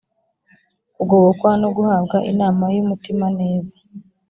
kugobokwa no guhabwa inama y umutima neza